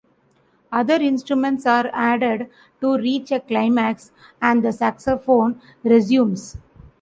Other instruments are added to reach a climax, and the saxophone resumes.